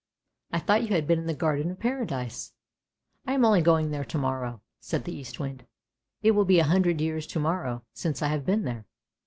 " I thought you had been in the Garden of Paradise." " I am only going there to morrow! " said the Eastwind. " It will be a hundred years to morrow since I have been there.